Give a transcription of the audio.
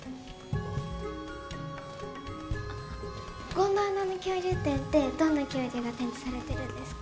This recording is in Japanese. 「ゴンドワナの恐竜展」ってどんな恐竜が展示されてるんですか？